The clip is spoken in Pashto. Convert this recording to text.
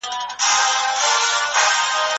ما د وحشت په زمانه کې زندگې کړې ده